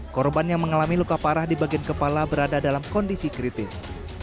korban yang mengalami luka parah di bagian kepala berada dalam kondisi kritis